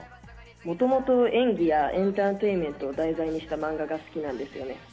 もともと、演技やエンターテインメントを題材にした漫画が好きなんですよね。